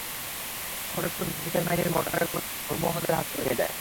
হঠাৎ করে পাকিস্তানি বাহিনীর মর্টারের গোলার আঘাতে নূর মোহাম্মদের হাঁটু ভেঙে যায়।